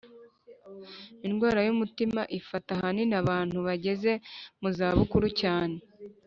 Indwara yu mutima ifata ahanini abantu bageze muzabukuru cyane